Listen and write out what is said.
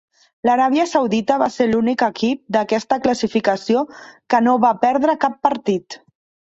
L'Aràbia Saudita va ser l'únic equip d'aquesta classificació que no va perdre cap partit.